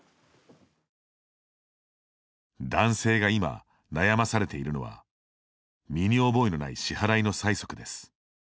男性が今、悩まされているのは身に覚えのない支払いの催促です。